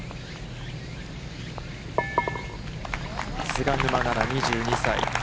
菅沼菜々、２２歳。